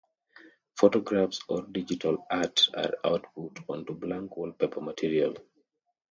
Photographs or digital art are output onto blank wallpaper material.